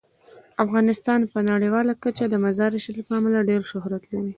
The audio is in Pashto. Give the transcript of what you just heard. افغانستان په نړیواله کچه د مزارشریف له امله ډیر شهرت لري.